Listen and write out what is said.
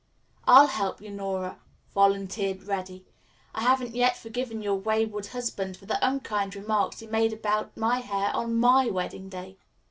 "I'll help you, Nora," volunteered Reddy. "I haven't yet forgiven your wayward husband for the unkind remarks he made about my hair on my wedding day."